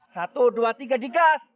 satu dua tiga digas